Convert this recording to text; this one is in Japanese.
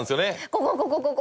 ここここここ！